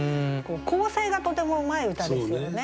構成がとてもうまい歌ですよね。